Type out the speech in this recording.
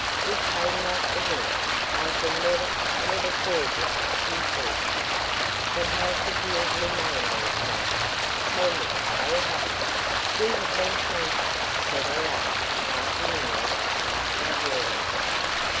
"We came like the wind! I shall never, never forget it," she said. "But how could you have remained there, child? Tell me how it happened. We have been frantic," said her aunt, half in English, half in German.